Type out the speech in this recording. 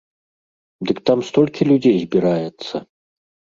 Дык там столькі людзей збіраецца!